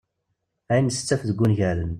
Ayen tettaf deg ungalen.